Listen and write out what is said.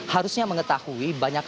harusnya mengetahui banyak